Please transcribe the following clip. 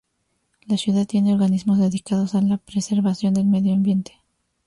La ciudad tiene organismos dedicados a la preservación del medio ambiente.